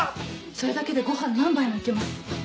それだけでご飯何杯も行けます。